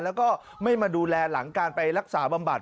แล้วก็ไม่มาดูแลหลังการไปรักษาบำบัด